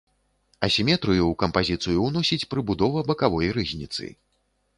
Асіметрыю ў кампазіцыю ўносіць прыбудова бакавой рызніцы.